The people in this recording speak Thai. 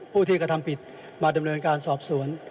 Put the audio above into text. ผู้ที่กระทำผิดมาดำเนินการสอบสวน